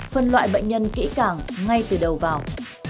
phân loại bệnh nhân kỹ càng ngay từ đầu vào